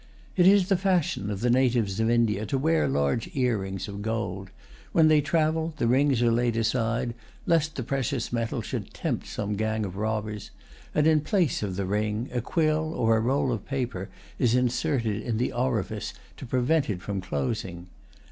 It is the fashion of the natives of India to wear large earrings of gold. When they travel, the rings are laid aside, lest the precious metal should tempt some gang of robbers; and, in place of the ring, a quill or a roll of paper is inserted in the orifice to prevent it from closing.